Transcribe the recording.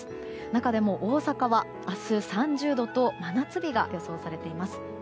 中でも大阪は明日３０度と真夏日が予想されています。